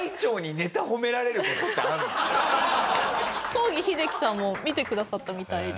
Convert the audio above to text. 東儀秀樹さんも見てくださったみたいで。